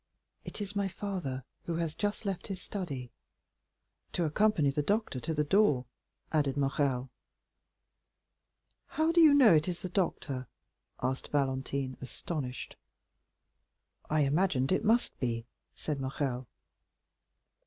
"It is my father, who has just left his study." "To accompany the doctor to the door," added Morrel. "How do you know it is the doctor?" asked Valentine, astonished. "I imagined it must be," said Morrel.